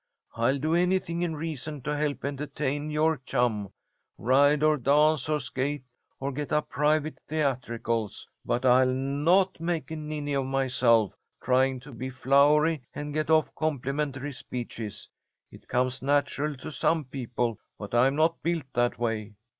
I'll do anything in reason to help entertain your chum, ride or dance or skate or get up private theatricals, but I'll not make a ninny of myself trying to be flowery and get off complimentary speeches. It comes natural to some people, but I'm not built that way.